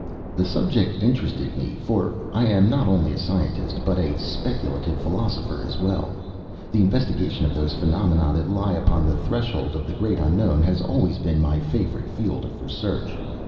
The subject interested me, for I am not only a scientist, but a speculative philosopher as well. The investigation of those phenomena that lie upon the threshold of the great unknown has always been my favorite field of research.